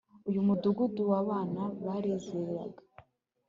Uyu mudugudu wabana barizeraga